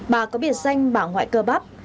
bà có biệt danh bà ngoại cơ bắp